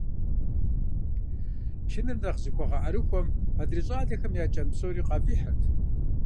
Чыныр нэхъ зыхуэгъэӀэрыхуэм адрей щӀалэхэм я кӀэн псори къафӀихьырт.